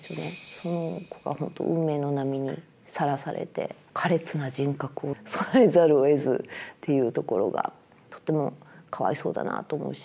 その子が本当運命の波にさらされて苛烈な人格を備えざるをえずっていうところがとてもかわいそうだなと思うし。